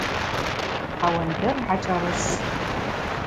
Ауандыр гӏашӏарыс.